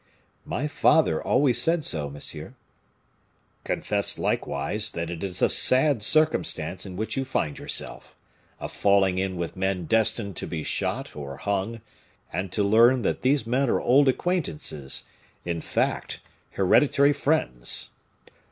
"My father always said so, monsieur." "Confess, likewise, that it is a sad circumstance in which you find yourself, of falling in with men destined to be shot or hung, and to learn that these men are old acquaintances, in fact, hereditary friends."